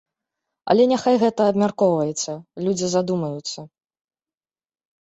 Але няхай гэта абмяркоўваецца, людзі задумаюцца.